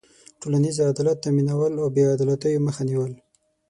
ټولنیز عدالت تأمینول او بېعدالتيو مخه نېول.